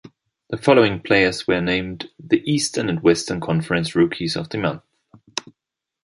The following players were named the Eastern and Western Conference Rookies of the Month.